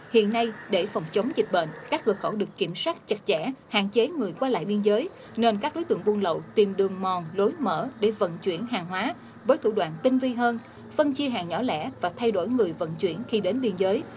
hiện nay để phòng chống dịch bệnh các cửa khẩu được kiểm soát chặt chẽ hạn chế người qua lại biên giới nên các đối tượng buôn lậu tìm đường mòn lối mở để vận chuyển hàng hóa với thủ đoạn tinh vi hơn phân chia hàng nhỏ lẻ và thay đổi người vận chuyển khi đến biên giới